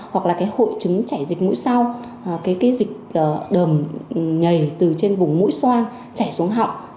hoặc là cái hội chứng chảy dịch mũi sau cái dịch đờm nhảy từ trên vùng mũi xoang chảy xuống họng